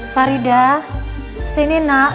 farida sini nak